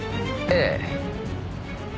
ええ。